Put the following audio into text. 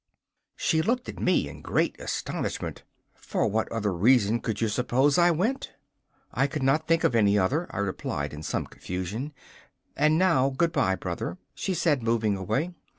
She looked at me in great astonishment. 'For what other reason could you suppose I went?' 'I could not think of any other,' I replied, in some confusion. 'And now good bye, Brother,' she said, moving away.